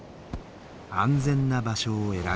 安全な場所を選びます。